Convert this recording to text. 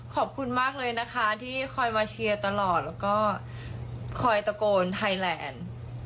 ขอบคุณมากเลยนะคะที่คอยมาเชียร์ตลอดแล้วก็คอยตะโกนไทยแลนด์